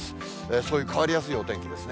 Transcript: そういう変わりやすいお天気ですね。